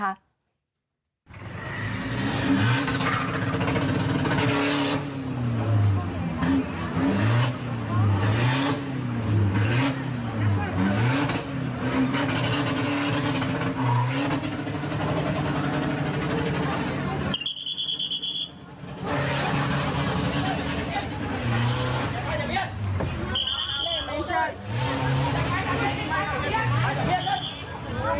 หว่า